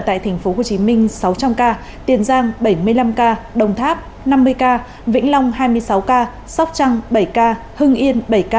tại tp hcm sáu trăm linh ca tiền giang bảy mươi năm ca đồng tháp năm mươi ca vĩnh long hai mươi sáu ca sóc trăng bảy ca hưng yên bảy ca